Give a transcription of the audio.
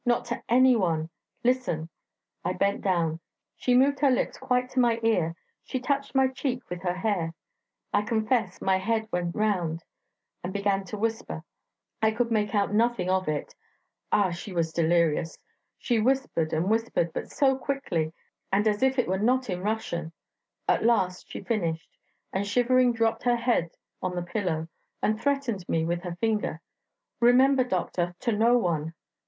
not to any one ... Listen...' I bent down; she moved her lips quite to my ear; she touched my cheek with her hair I confess my head went round and began to whisper... I could make out nothing of it... Ah, she was delirious! ... She whispered and whispered, but so quickly, and as if it were not in Russian; at last she finished, and shivering dropped her head on the pillow, and threatened me with her finger: 'Remember, doctor, to no one.'